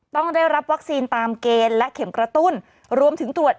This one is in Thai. ต้องได้รับวัคซีนตามเกณฑ์และเข็มกระตุ้นรวมถึงตรวจ